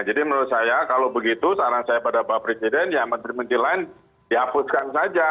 jadi menurut saya kalau begitu saran saya pada pak presiden ya menteri menteri lain dihapuskan saja